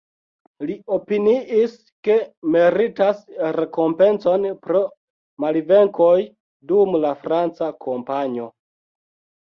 Li opiniis, ke meritas rekompencon pro malvenkoj dum la franca kampanjo.